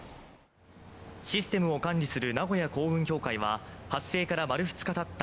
システムを管理する名古屋港運協会は発生から丸２日たった